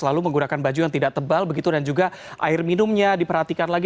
lalu menggunakan baju yang tidak tebal begitu dan juga air minumnya diperhatikan lagi